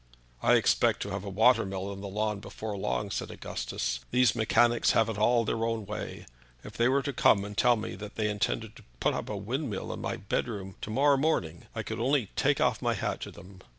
"I expect to have a water mill on the lawn before long," said Augustus. "These mechanics have it all their own way. If they were to come and tell me that they intended to put up a wind mill in my bedroom to morrow morning, I could only take off my hat to them.